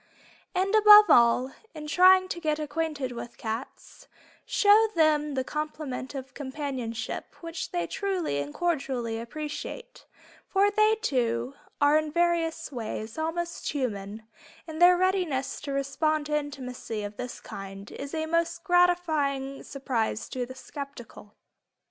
And above all, in trying to get acquainted with cats, show them the compliment of companionship which they truly and cordially appreciate, for they, too, are in various ways "also human" and their readiness to respond to intimacy of this kind is a most gratifying surprise to the skeptical.